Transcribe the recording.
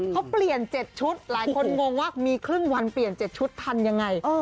เขาเปลี่ยน๗ชุดหลายคนงงว่ามีครึ่งวันเปลี่ยน๗ชุดทันยังไง